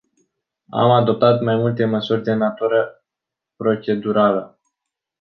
Am adoptat mai multe măsuri de natură procedurală.